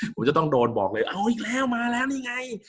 ผมจะต้องโดนบอกเลยเอาอีกแล้วมาแล้วนี่ไง